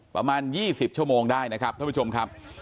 ประมาณ๒๐ชั่วโมงได้นะครับท่านผู้ชมครับ